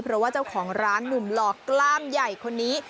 เพราะว่าเจ้าของร้านหนุ่มหลอกกล้ามใหญ่คนนี้